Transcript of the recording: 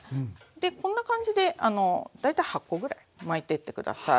でこんな感じで大体８コぐらい巻いてって下さい。